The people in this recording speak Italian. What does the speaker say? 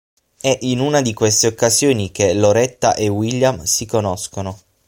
È in una di queste occasioni che Loretta e William si conoscono.